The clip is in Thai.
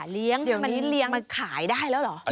เดี๋ยวนี้มาขายได้แล้วเหรอ